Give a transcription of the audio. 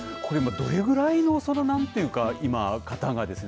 どれぐらいの方がですね